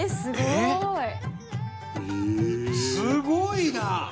「すごいな！